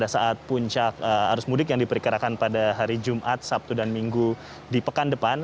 saat puncak arus mudik yang diperkirakan pada hari jumat sabtu dan minggu di pekan depan